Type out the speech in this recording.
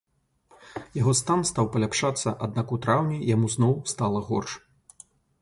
Яго стан стаў паляпшацца, аднак у траўні яму зноў стала горш.